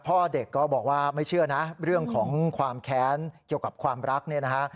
พ่อเด็กก็บอกว่าไม่เชื่อนะเรื่องของความแค้นเกี่ยวกับความรักเนี่ยนะฮะ